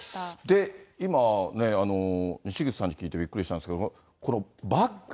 で、今ね、にしぐちさんに聞いてびっくりしたんですけど、このバッグ。